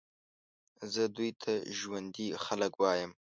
زه دوی ته ژوندي خلک وایم.